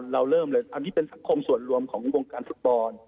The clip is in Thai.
เราเริ่มเลยอันนี้เป็นสังคมส่วนรวมของวงการฟุตบอล